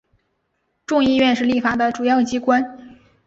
众议院是立法的主要机关。